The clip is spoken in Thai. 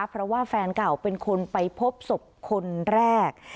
เพราะว่าแฟนเก่าเป็นคนไปพบศพคนแรก